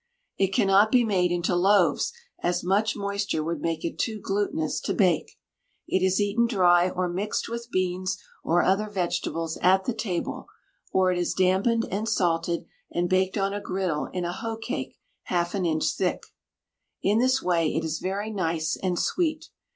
It cannot be made into loaves, as much moisture would make it too glutinous to bake. It is eaten dry or mixed with beans or other vegetables at the table, or it is dampened and salted and baked on a griddle in a hoe cake half an inch thick. In this way it is very nice and sweet.